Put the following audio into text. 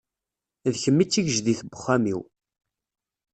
D kemm i d tigejdit n uxxam-iw.